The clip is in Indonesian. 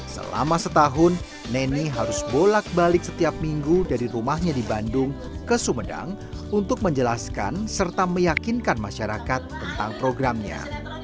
selama setahun nene harus bolak balik setiap minggu dari rumahnya di bandung ke sumedang untuk menjelaskan serta meyakinkan masyarakat tentang programnya